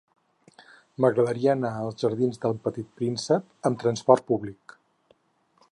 M'agradaria anar als jardins d'El Petit Príncep amb trasport públic.